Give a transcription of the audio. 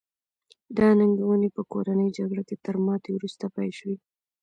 دا ننګونې په کورنۍ جګړه کې تر ماتې وروسته پیل شوې.